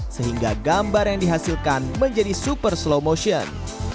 sehingga gambar yang dihasilkan menjadi super slow motion